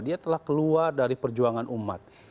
dia telah keluar dari perjuangan umat